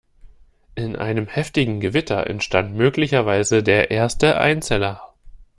In einem heftigen Gewitter entstand möglicherweise der erste Einzeller.